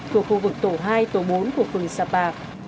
của khu vực tổ hai tổ bốn của phường sà bạc